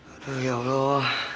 aduh ya allah